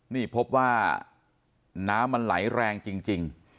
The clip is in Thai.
นี่พบว่าน้ำมันไหลแรงจริง